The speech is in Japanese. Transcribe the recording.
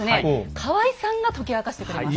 河合さんが解き明かしてくれます。